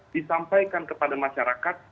disampaikan kepada masyarakat